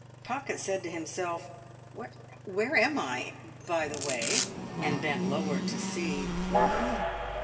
Pocket said to himself, "Where am I, by the way?" and bent lower to see.